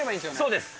そうです。